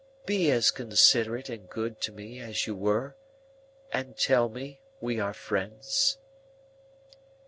Be as considerate and good to me as you were, and tell me we are friends."